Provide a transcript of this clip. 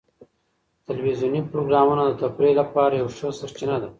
ټلویزیوني پروګرامونه د تفریح لپاره یوه ښه سرچینه ده.